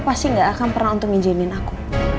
pasti nggak akan pernah untuk nginjinin aku